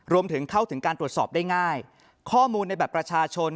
รวมถึงเข้าถึงการตรวจสอบได้ง่ายข้อมูลในบัตรประชาชน